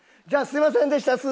じゃあすいませんでした。